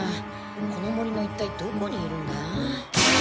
この森のいったいどこにいるんだ？